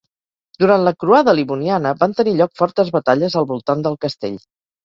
Durant la croada Livoniana van tenir lloc fortes batalles al voltant del castell.